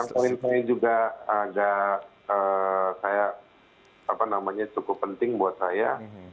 yang kelima ini juga agak saya apa namanya cukup penting buat saya